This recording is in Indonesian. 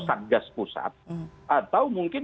satgas pusat atau mungkin